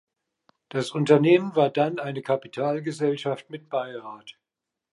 Das Unternehmen war dann eine Kapitalgesellschaft mit Beirat.